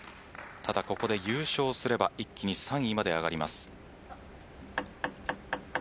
ただ、ここで優勝すれば一気に３位まで上がります。